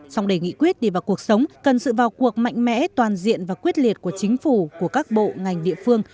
trong đề nghị quyết đi vào cuộc sống cần sự vào cuộc mạnh mẽ toàn diện và quyết liệt của chính phủ của các bộ ngành địa phương